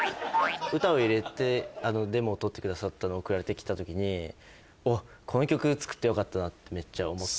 歌を入れてデモを録ってくださったのを送られてきた時にこの曲作ってよかったなってめっちゃ思った。